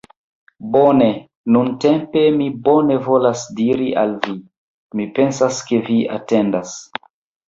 Bone, nuntempe mi bone volas diri al vi. Mi pensas ke vi atendas.